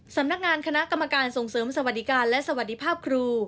สำนักงานคณะกรรมการส่งเสริมสวัสดิการและสวัสดีภาพครู